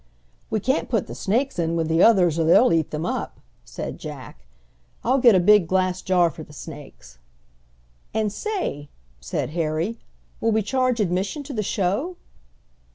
"We can't put the snakes in with the others or they'll eat them up," said Jack. "I'll get a big glass jar for the snakes." "And say!" said Harry. "Will we charge admission to the show?"